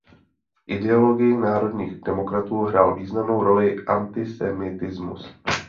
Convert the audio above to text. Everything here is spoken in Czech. V ideologii národních demokratů hrál významnou roli antisemitismus.